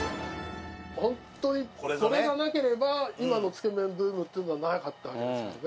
ほんとにこれがなければ今のつけ麺ブームっていうのはなかったわけですからね。